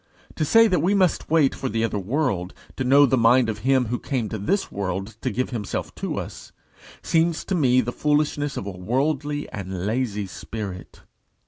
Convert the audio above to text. To say that we must wait for the other world, to know the mind of him who came to this world to give himself to us, seems to me the foolishness of a worldly and lazy spirit.